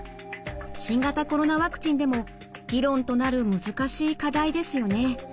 新型コロナワクチンでも議論となる難しい課題ですよね。